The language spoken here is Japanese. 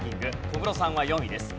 小室さんは４位です。